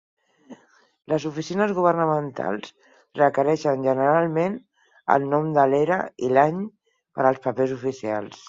Les oficines governamentals requereixen generalment el nom de l'era i l'any per als papers oficials.